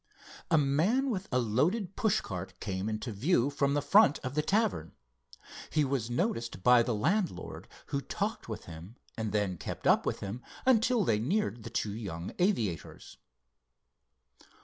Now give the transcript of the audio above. A man with a loaded pushcart came into view from the front of the tavern. He was noticed by the landlord, who talked with him and then kept up with him until they neared the two young aviators.